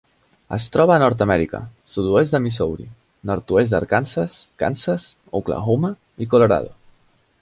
Es troba a Nord-amèrica: sud-oest de Missouri, nord-oest d'Arkansas, Kansas, Oklahoma i Colorado.